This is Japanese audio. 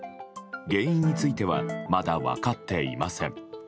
原因についてはまだ分かっていません。